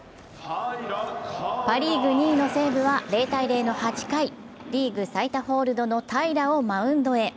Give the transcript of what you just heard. パ・リーグ２位の西武は０−０の８回、リーグ最多ホールドの平良をマウンドへ。